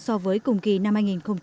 so với cùng kỳ năm hai nghìn một mươi tám